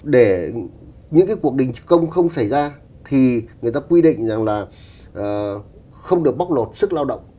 để những cái cuộc đình công không xảy ra thì người ta quy định rằng là không được bóc lột sức lao động